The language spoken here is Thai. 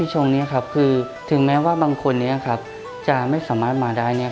ช่วงนี้ถึงแม้ว่าบางคนจะไม่สามารถมาได้